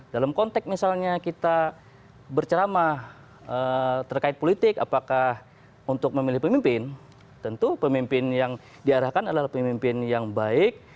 dalam konteks misalnya kita berceramah terkait politik apakah untuk memilih pemimpin tentu pemimpin yang diarahkan adalah pemimpin yang baik